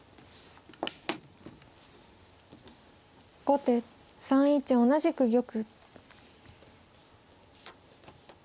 後手３一同じく玉。